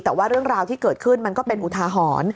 แต่ว่าเรื่องราวที่เกิดขึ้นมันก็เป็นอุทาหรณ์